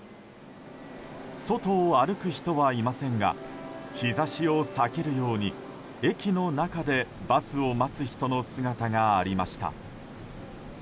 外を歩く人はいませんが日差しを避けるように駅の中でバスを待つ人の姿がありました。